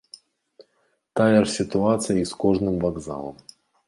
Тая ж сітуацыя і з кожным вакзалам.